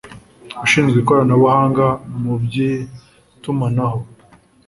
ushinzwe Ikoranabuhanga mu by Itumanaho